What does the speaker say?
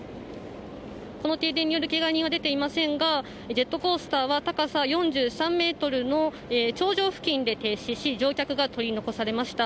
この停電によるけが人は出ていませんが、ジェットコースターは高さ４３メートルの頂上付近で停止し、乗客が取り残されました。